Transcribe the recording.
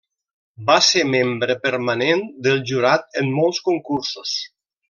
Va ser membre permanent del jurat en molts concursos.